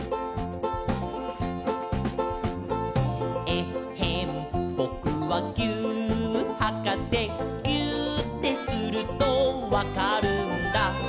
「えっへんぼくはぎゅーっはかせ」「ぎゅーってするとわかるんだ」